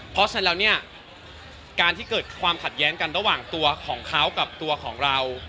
เพราะฉะนั้นแล้วเนี่ยการที่เกิดความขัดแย้งกันระหว่างตัวของเขากับตัวของเรา